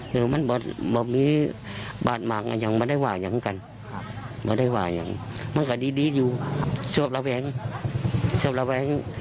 คือมันบอกมีบาดมากอย่างมันได้ว่าอย่างกันไม่ได้ว่าอย่างมันกระดีดีอยู่สวบระแวงสวบระแวง